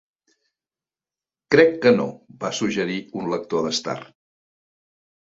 Crec que no, va suggerir un lector d'Star.